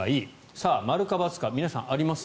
さあ、○か×か皆さん、あります？